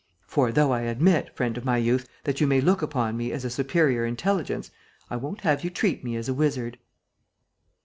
For, though I admit, friend of my youth, that you may look upon me as a superior intelligence, I won't have you treat me as a wizard."